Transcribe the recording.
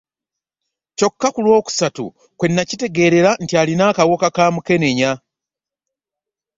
Kyokka ku lwokusatu kwe nnakitegeerera nti alina akawuka ka Mukenenya